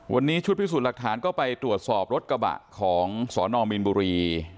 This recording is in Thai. วันนี้ชุดพิสูจน์หลักฐานก็ไปตรวจสอบรถกระบะของสนมีนบุรี